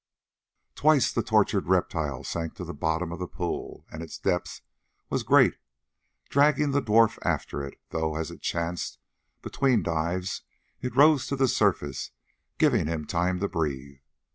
Twice the tortured reptile sank to the bottom of the pool—and its depth was great—dragging the dwarf after it, though, as it chanced, between dives it rose to the surface, giving him time to breathe.